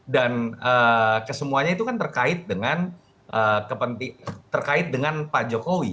dan kesemuanya itu kan terkait dengan pak jokowi